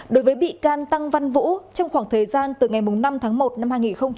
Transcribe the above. đối với bị can tăng văn vũ trong khoảng thời gian từ ngày năm tháng một năm hai nghìn hai mươi